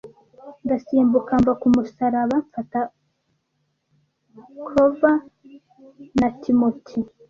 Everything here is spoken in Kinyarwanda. Ndasimbuka mva kumusaraba mfata clover na timoti,